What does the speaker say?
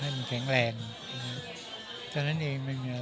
ให้มันแข็งแรงฉะนั้นเองไม่มีอะไร